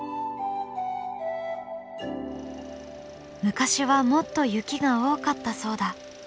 昔はもっと雪が多かったそうだ。